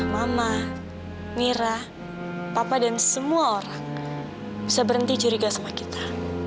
mama mira papa dan semua orang bisa berhenti curiga sama kita